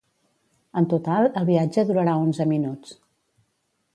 En total, el viatge durarà onze minuts.